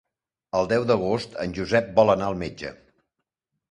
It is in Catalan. El deu d'agost en Josep vol anar al metge.